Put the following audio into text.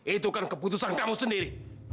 itu kan keputusan kamu sendiri